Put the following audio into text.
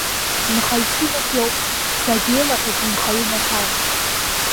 Нхаҩ ҷкәынак иоуп, дагьеилаҳәоуп нхаҩы маҭәала.